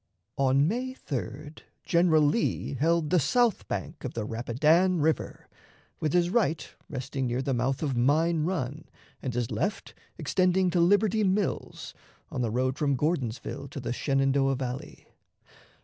On May 3d General Lee held the south bank of the Rapidan River, with his right resting near the mouth of Mine Run and his left extending to Liberty Mills, on the road from Gordonsville to the Shenandoah Valley.